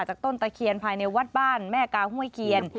ต้นตะเคียนภายในวัดบ้านแม่กาห้วยเคียน